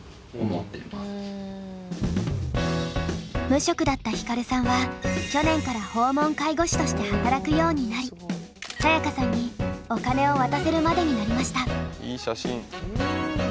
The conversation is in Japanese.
無職だったヒカルさんは去年から訪問介護士として働くようになりサヤカさんにお金を渡せるまでになりました。